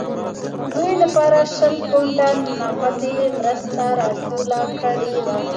دوی لپاره شل پونډه نغدي مرسته راټوله کړې وه.